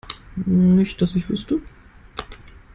Nicht dass ich wüsste.